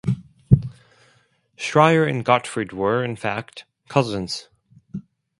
Shreyer and Gottfried were, in fact, cousins.